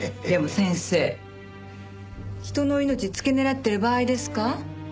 でも先生人の命付け狙ってる場合ですか？